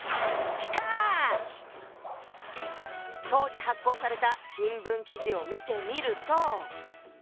当時発行された新聞記事を見てみると。